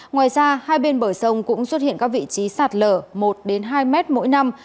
ngoài ra hai bên bờ sông cũng xuất hiện các vị trí sạt lở một hai mét mỗi năm